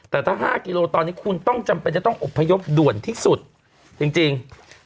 แต่ถ้า๕กิโลตอนนี้คุณต้องจำเป็นจะต้องอบพยพด่วนที่สุดจริง